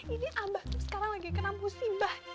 ini abah tuh sekarang lagi kena musibah